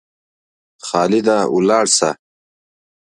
خالده ولاړ سه!